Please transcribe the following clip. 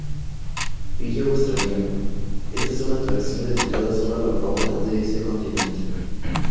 Villa Australiana: Esta es una atracción dedicada solo a la fauna de ese continente.